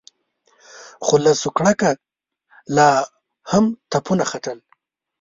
خو له سوکړکه لا هم تپونه ختل.